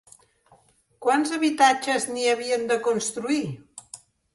Quants habitatges n'hi havien de construir?